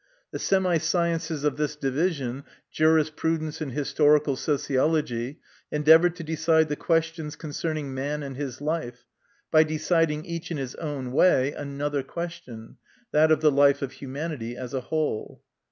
The semi sciences of this division, jurisprudence and historical sociology, endeavour to decide the questions concerning man and his life, by deciding, each in his own way, another question that of the life of humanity as a whole.